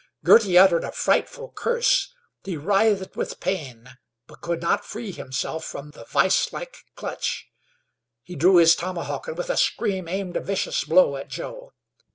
Girty uttered a frightful curse; he writhed with pain, but could not free himself from the vise like clutch. He drew his tomahawk and with a scream aimed a vicious blow at Joe.